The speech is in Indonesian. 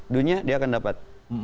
dunia dia akan dapat